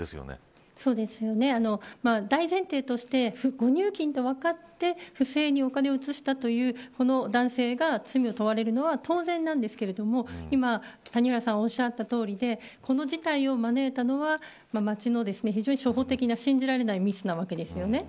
大前提として誤入金と分かって不正にお金を移したという男性が罪を問われるのは当然ですが今、谷原さんがおっしゃったとおりでこの事態を招いたのは町の初歩的な信じられないミスなわけですよね。